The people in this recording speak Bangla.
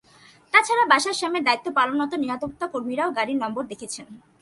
তা ছাড়া বাসার সামনে দায়িত্ব পালনরত নিরাপত্তাকর্মীরাও গাড়ির নম্বর দেখেছেন।